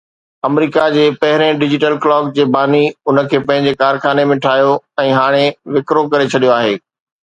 آمريڪا جي پهرين ڊجيٽل ڪلاڪ جي باني ان کي پنهنجي ڪارخاني ۾ ٺاهيو ۽ هاڻي وڪرو ڪري ڇڏيو آهي